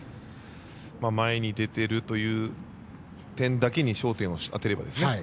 前に出ているという点だけに焦点を当てればですね。